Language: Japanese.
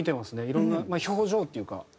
いろんな表情っていうか。